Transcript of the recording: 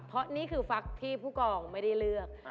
เพราะนี่คือฟักที่ผู้กองไม่ได้เลือก